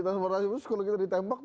transportasi umum terus kalau kita ditembak